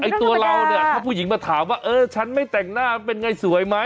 ตัวเราเนี่ยถ้าผู้หญิงมาถามว่าเออฉันไม่แต่งหน้ามันเป็นไงสวยไหม